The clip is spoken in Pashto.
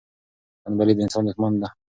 تنبلي د انسان دښمن ده.